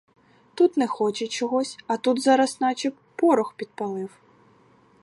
Тут не хоче чогось, а тут зараз начеб порох підпалив.